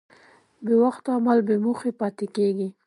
بېوخت عمل بېموخه پاتې کېږي.